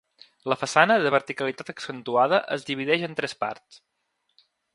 La façana, de verticalitat accentuada, es divideix en tres parts.